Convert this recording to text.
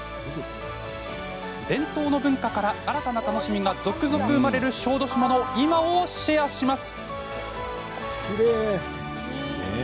伝統の文化から新たな楽しみが続々生まれる小豆島の今をシェアします。